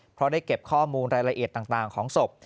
เพราะได้เก็บข้อมูลรายละเอียดต่างของศพ